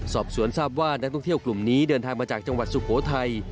สอบสวนทราบว่านักท่องเที่ยวกลุ่มนี้เดินทางมาจากจังหวัดสุโขทัย